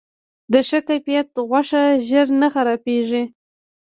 د ښه کیفیت غوښه ژر نه خرابیږي.